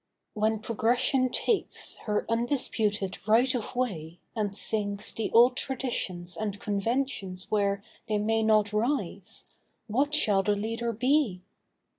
When Progression takes Her undisputed right of way, and sinks The old traditions and conventions where They may not rise, what shall the leader be?